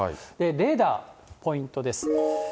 レーダー、ポイントです。